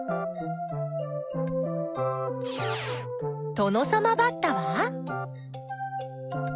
トノサマバッタは？